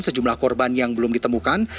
sejumlah korban yang belum ditemukan